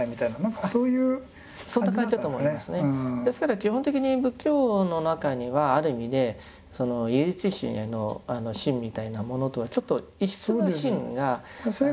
基本的に仏教の中にはある意味で唯一神への信みたいなものとはちょっと異質な信が存在してた。